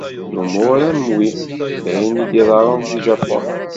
Lumuṛ am wi, d ayen i d-iḍerrun deg Japun.